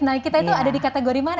nah kita itu ada di kategori mana